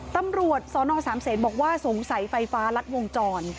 ตำรวจสนสามเศษบอกว่าสงสัยไฟฟ้ารัดวงจร